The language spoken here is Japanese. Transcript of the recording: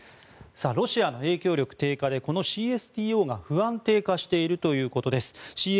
ロシアの影響力低下でこのＣＳＴＯが不安定化しているということです。